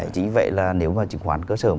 chính vậy là nếu mà trứng khoán cơ sở